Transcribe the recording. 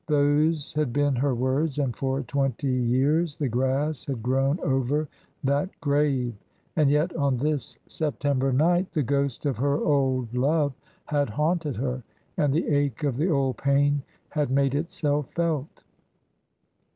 Those had been her words, and for twenty years the grass had grown over that grave; and yet, on this September night, the ghost of her old love had haunted her, and the ache of the old pain had made itself felt.